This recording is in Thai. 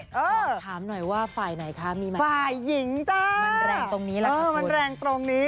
ขอถามหน่อยว่าฝ่ายไหนคะมีมันอะไรฝ่ายหญิงจ้ามันแรงตรงนี้